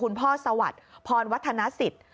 สวัสดิ์พรวัฒนสิทธิ์